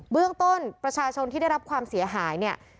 เรื่องต้นประชาชนที่ได้รับความเสียหายเนี่ย